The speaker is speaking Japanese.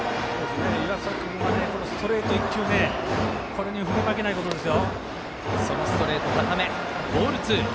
湯淺君はストレート１球これに振り負けないことです。